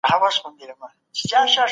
د قیادت روحیه کمزورې شوې ده.